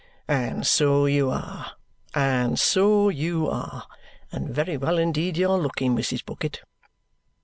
"And so you are. And so you are! And very well indeed you are looking, Mrs. Bucket!"